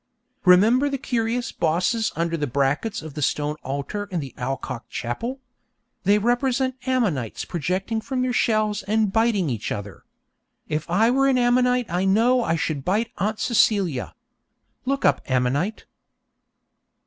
_Remember the curious bosses under the brackets of the stone altar in the Alcock Chapel. They represent ammonites projecting from their shells and biting each other._ (If I were an ammonite I know I should bite Aunt Celia. Look up ammonite.)